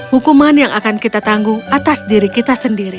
hukuman yang akan kita tanggung atas diri kita sendiri